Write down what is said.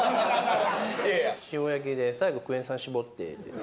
塩焼きで最後クエン酸しぼって。